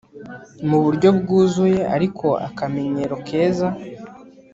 mu buryo bwuzuye ariko akamenyero keza